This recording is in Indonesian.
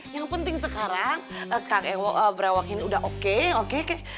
yang penting sekarang kak ewo berawak ini udah oke oke kak